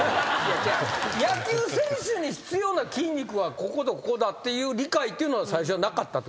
野球選手に必要な筋肉はこことここだっていう理解っていうのは最初はなかったってことでしょ？